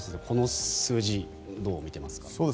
この数字どう見てますか。